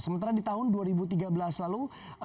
sementara di tahun dua ribu tiga belas lalu